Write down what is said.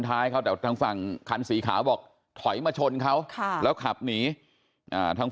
ท้ายเขาแต่ทางฝั่งคันสีขาวบอกถอยมาชนเขาค่ะแล้วขับหนีทาง